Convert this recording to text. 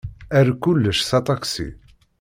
Err kullec s aṭaksi.